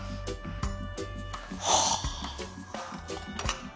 はあ